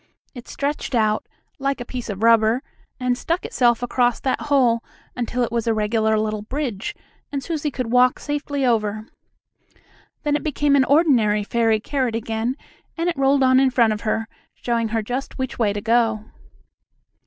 It stretched out, like a piece of rubber, and stuck itself across that hole until it was a regular little bridge, and Susie could walk safely over. Then it became an ordinary fairy carrot again, and rolled on in front of her, showing her just which way to go.